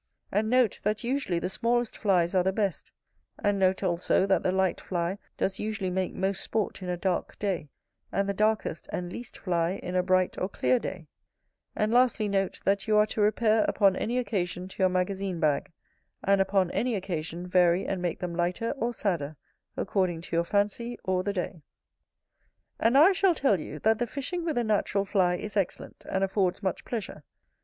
And note, that usually the smallest flies are the best; and note also, that the light fly does usually make most sport in a dark day, and the darkest and least fly in a bright or clear day: and lastly note, that you are to repair upon any occasion to your magazine bag: and upon any occasion, vary and make them lighter or sadder, according to your fancy, or the day. And now I shall tell you, that the fishing with a natural fly is excellent, and affords much pleasure.